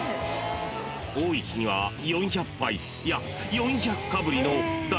［多い日には４００杯いや４００かぶりの大人気商品］